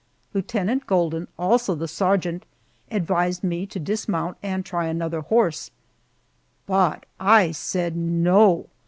Lieutenant Golden, also the sergeant, advised me to dismount and try another horse, but I said no!